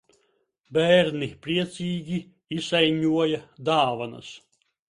Bērni priecīgi izsaiņoja dāvanas.